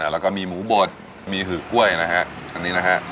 แล้วก็มีหมูบดมีหือกล้วยนะฮะอันนี้นะฮะ